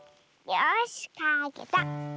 よしかけた！